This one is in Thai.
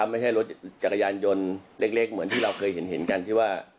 ไม่ใช่รถจักรยานยนต์เล็กเหมือนที่เราเคยเห็นกันที่ว่า